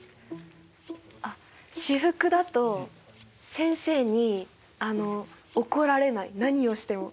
あっ私服だと先生にあの怒られない何をしても。